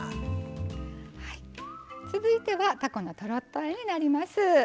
続いてはたこのトロッとあえになります。